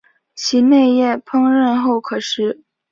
其嫩叶烹饪后可食。